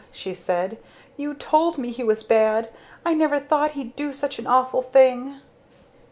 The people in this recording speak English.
she said. "You told me he was bad! I never thought he'd do such an awful thing!"